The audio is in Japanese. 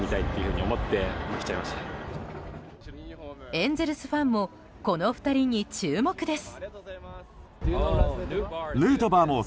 エンゼルスファンもこの２人に注目です。